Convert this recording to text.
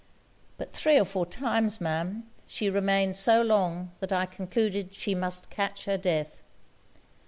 But three or four times, Ma'am, she remained so long that I concluded she must catch her death.